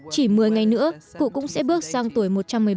chỉ một mươi ngày nữa cụ cũng sẽ bước sang tuổi một trăm một mươi bảy